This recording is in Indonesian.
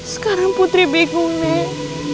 sekarang putri bingung nek